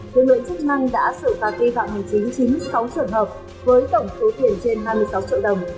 lực lượng chức năng đã xử phạt vi phạm hành chính chín mươi sáu trường hợp với tổng số tiền trên hai mươi sáu triệu đồng